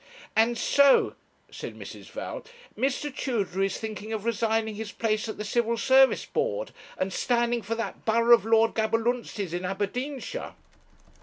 'And so,' said Mrs. Val, 'Mr. Tudor is thinking of resigning his place at the Civil Service Board, and standing for that borough of Lord Gaberlunzie's, in Aberdeenshire?'